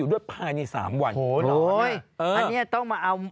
อยู่ด้วยภายในสามวันโอ๋ยอันนี้ต้องมาเอา